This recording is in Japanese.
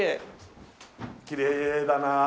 きれいだなあ。